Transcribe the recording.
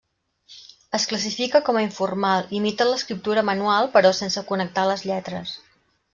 Es classifica com a informal, imita l'escriptura manual però sense connectar les lletres.